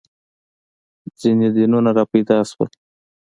• ځینې دینونه راپیدا شول.